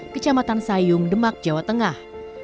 kecamatan sayung demak jawa tengah